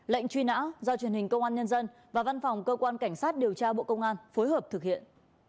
lệnh truy nã do truyền hình công an nhân dân và văn phòng cơ quan cảnh sát điều tra bộ công an phối hợp thực hiện